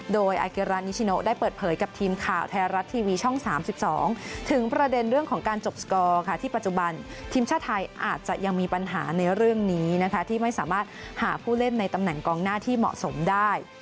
โดยอาเกรานิชิโนได้เปิดเผยกับทีมข่าวไทยรัฐทีวีช่อง๓๒ถึงประเด็นเรื่องของการจบสกอร์ค่ะที่ปัจจุบันทีมชาติไทยอาจจะยังมีปัญหาในเรื่องนี้นะคะที่ไม่สามารถหาผู้เล่นในตำแหน่งกองหน้าที่เหมาะสมได้